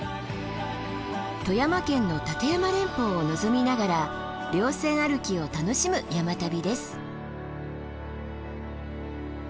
富山県の立山連峰を望みながら稜線歩きを楽しむ山旅です。